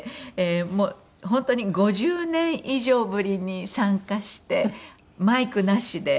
もう本当に５０年以上ぶりに参加してマイクなしで。